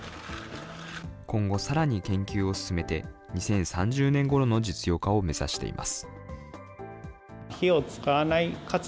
今後、さらに研究を進めて、２０３０年ごろの実用化を目指しています。